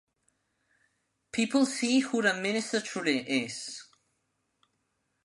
People see who their minister truly is.